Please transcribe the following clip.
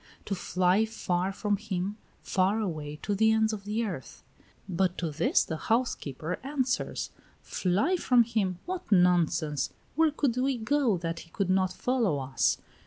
To fly far from him, far away, to the ends of the earth. But to this the housekeeper answers: "Fly from him! What nonsense! Where could we go, that he would not follow us?